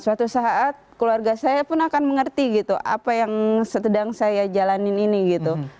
suatu saat keluarga saya pun akan mengerti gitu apa yang sedang saya jalanin ini gitu